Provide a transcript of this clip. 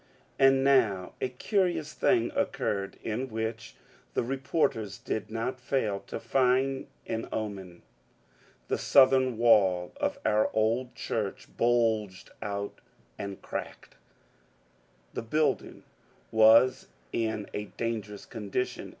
And now a curious thing occurred, in which the reporters did not fail to find an omen : the southern wall of our old church bulged out and cracked I The building was in a dan gerous condition.